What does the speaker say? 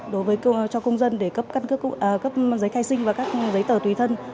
đối với cho công dân để cấp giấy khai sinh và các giấy tờ tùy thân